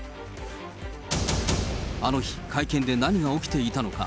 あの日、会見で何が起きていたのか。